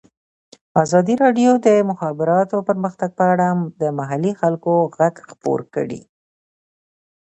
ازادي راډیو د د مخابراتو پرمختګ په اړه د محلي خلکو غږ خپور کړی.